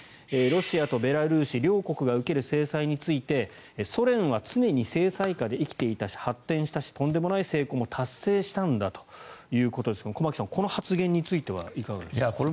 ロシアとベラルーシ両国が受ける制裁についてソ連は常に制裁下で生きていたし発展したしとんでもない成功も達成したんだということですが駒木さん、この発言についてはいかがですか。